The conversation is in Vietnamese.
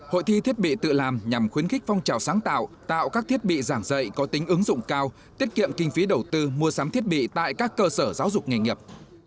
hội thi thiết bị tự làm nhằm khuyến khích phong trào sáng tạo tạo các thiết bị giảng dạy có tính ứng dụng cao tiết kiệm kinh phí đầu tư mua sắm thiết bị tại các cơ sở giáo dục nghề nghiệp